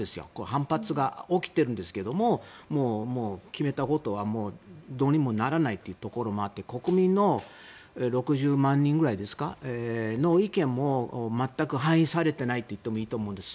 反発が起きているんですけれども決めたことは、どうにもならないというところもあって国民の６０万人ぐらいの意見も全く反映されてないといってもいいと思います。